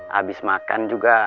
habis makan juga